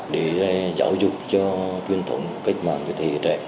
để giáo dục cho truyền thống cách mạng của thế giới trẻ